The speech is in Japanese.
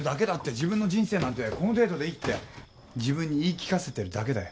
自分の人生なんてこの程度でいいって自分に言い聞かせてるだけだよ。